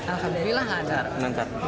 alhamdulillah nggak lancar